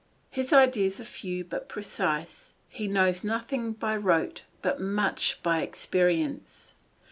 His ideas are few but precise, he knows nothing by rote but much by experience.